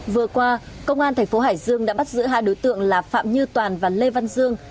vừa qua công an thành phố hải dương đã bắt giữ hai đối tượng là phạm như toàn và lê văn dương